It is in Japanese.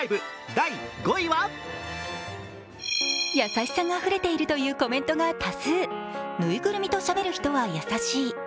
優しさがあふれているコメントが多数、「ぬいぐるみとしゃべる人はやさしい」